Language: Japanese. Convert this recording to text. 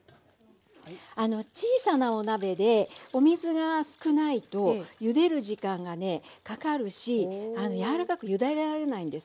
小さなお鍋でお水が少ないとゆでる時間がねかかるし柔らかくゆで上げられないんです。